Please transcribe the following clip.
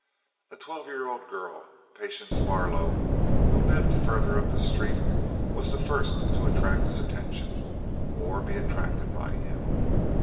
A twelve year old girl, Patience Barlow, who lived further up the street, was the first to attract his attention or be attracted by him.